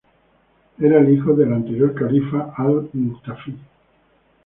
Era el hijo del anterior califa Al-Muqtafi.